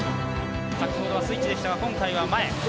先ほどはスイッチでしたが今回は前！